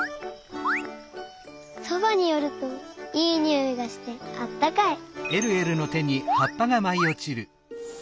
そばによるといいにおいがしてあったかい。